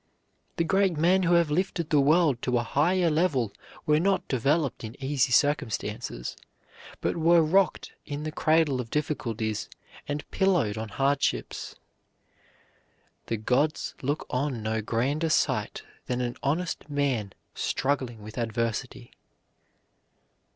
The great men who have lifted the world to a higher level were not developed in easy circumstances, but were rocked in the cradle of difficulties and pillowed on hardships. "The gods look on no grander sight than an honest man struggling with adversity."